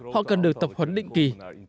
họ cần được tập huấn định kỳ